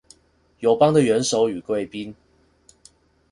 友邦的元首與貴賓